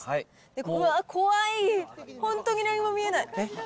これ、怖い、本当に何も見えない。